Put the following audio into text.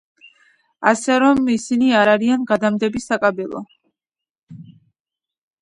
ასე რომ, ისინი არ არიან გადამდები საკაბელო.